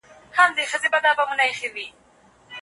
ښوونکي د اخلاقو او ادب درس ورکوي.